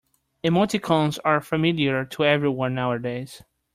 Emoticons are familiar to everyone nowadays.